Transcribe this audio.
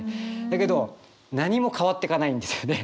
だけど何も変わってかないんですよね。